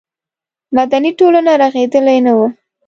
مدني ټولنه رغېدلې نه وه.